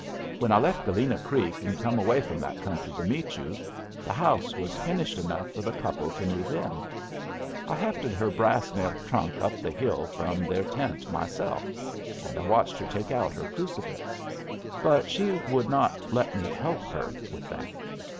When I left Galena Creek and come away from that country to meet you, the house was finished enough for the couple to move in. I hefted her brass nailed trunk up the hill from their tent myself, and I watched her take out her crucifix. But she would not let me help her with that.